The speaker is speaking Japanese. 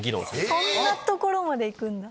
そんなところまで行くんだ。